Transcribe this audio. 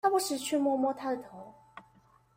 他不時去摸摸她的頭